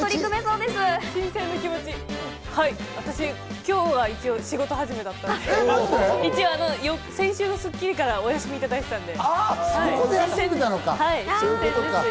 私、今日が一応、仕事始めだったので、先週の『スッキリ』からお休みをいただいていたので。